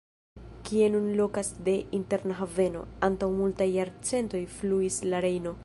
Kie nun lokas la Interna Haveno, antaŭ multaj jarcentoj fluis la Rejno.